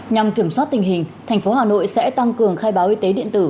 nhằm kiểm soát tình hình thành phố hà nội sẽ tăng cường khai báo y tế điện tử